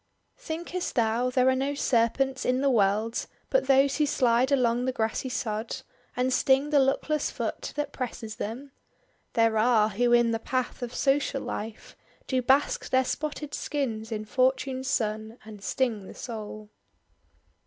"Thinkest thou there are no serpents in the world But those who slide along the grassy sod, And sting the luckless foot that presses them? There are, who in the path of social life Do bask their spotted skins in fortune's son, And sting the soul."